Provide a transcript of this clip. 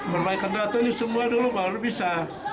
perbaikan data ini semua dulu baru bisa